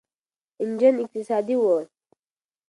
انجن اقتصادي و.